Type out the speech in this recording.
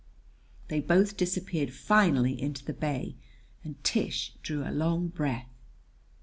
They both disappeared finally into the bay and Tish drew a long breath.